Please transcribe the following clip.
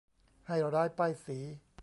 ให้ร้ายป้ายสี